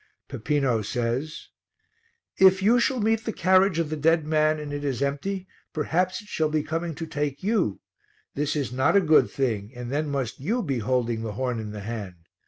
Peppino says "If you shall meet the carriage of the dead man and it is empty, perhaps it shall be coming to take you; this is not a good thing and then must you be holding the horn in the hand.